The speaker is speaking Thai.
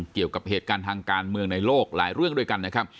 เกี่ยวกับเหตุการณ์ทางการเมืองในโลกหลายเรื่องด้วยกันนะครับ